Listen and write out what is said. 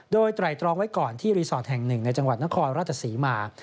โดยไตรตรองไว้ก่อนที่รีสอร์ทแห่งหนึ่งในจังหวัดนครราชศรีมา